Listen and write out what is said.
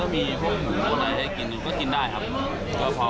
มันมีก็มริ่นอะไรให้กินเขตกินได้ครับ